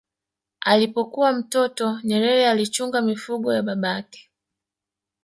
Alipokuwa mtoto Nyerere alichunga mifugo ya babake